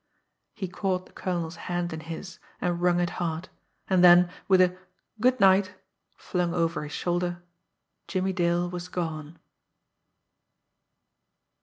He caught the colonel's hand in his and wrung it hard and then, with a "Goodnight!" flung over his shoulder, Jimmie Dale was gone.